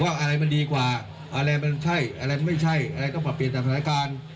อะไรมันดีกว่าอะไรมันใช่อะไรไม่ใช่อะไรต้องปรับเปลี่ยนจากสถานการณ์